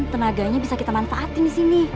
tenaganya bisa kita manfaatin di sini